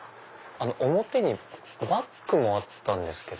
表にバッグもあったんですけど。